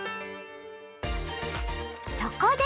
そこで！